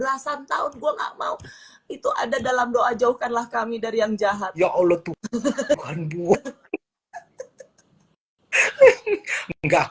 enggak enggak enggak enggak enggak enggak enggak enggak enggak enggak enggak enggak enggak enggak